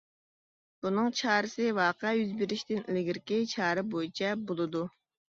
بۇنىڭ چارىسى ۋەقە يۈز بېرىشتىن ئىلگىرىكى چارە بويىچە بولىدۇ.